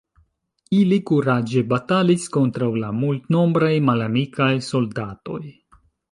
Ili kuraĝe batalis kontraŭ la multnombraj malamikaj soldatoj.